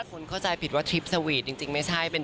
คุณเข้าใจผิดว่าไทฟพีและสาวีทจริงไม่ใช่เฉพาะมึง